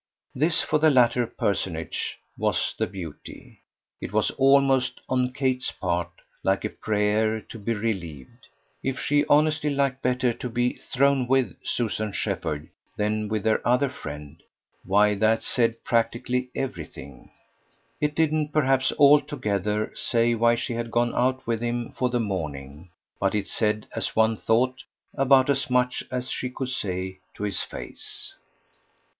This, for the latter personage, was the beauty; it was almost, on Kate's part, like a prayer to be relieved. If she honestly liked better to be "thrown with" Susan Shepherd than with their other friend, why that said practically everything. It didn't perhaps altogether say why she had gone out with him for the morning, but it said, as one thought, about as much as she could say to his face.